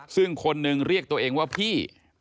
ซึ่งคนหนึ่งเรียกตัวเองว่าพี่